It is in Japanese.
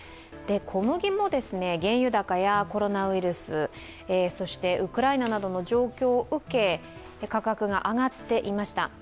小麦も原油高やコロナウイルスそしてウクライナなどの状況を受け、価格が上がっていました。